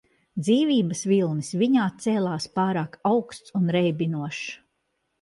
Dzīvības vilnis viņā cēlās pārāk augsts un reibinošs.